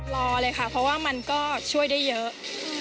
รอเลยค่ะเพราะว่ามันก็ช่วยได้เยอะ